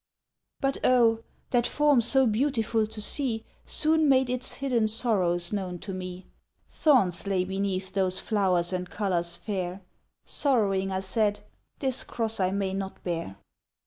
But oh! that form so beautiful to see Soon made its hidden sorrows known to me; Thorns lay beneath those flowers and colors fair; Sorrowing, I said, "This cross I may not bear."